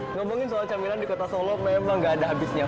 ngomongin soal camilan di kota solo memang gak ada habisnya